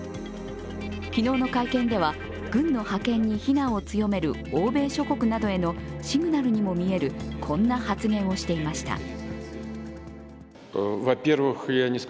昨日の会見では軍の派遣に非難を強める欧米諸国などへのシグナルにも見えるこんな発言をしていました。